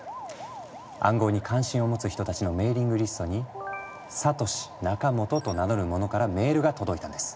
暗号に関心を持つ人たちのメーリングリストにサトシ・ナカモトと名乗る者からメールが届いたんです。